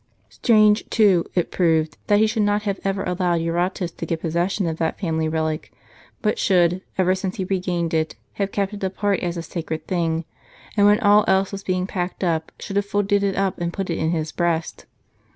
Strange, too, it proved, that he should not have ever allowed Eurotas to get possession of that family relic, but should, ever since he regained it, have kept it apart as a sacred thing ; and when all else was being packed up, should have folded it up and put it in his breast.